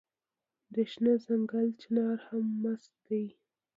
د شنه ځنګل چنار هم مست دی